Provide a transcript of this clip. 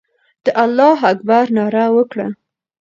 د الله اکبر ناره وکړه.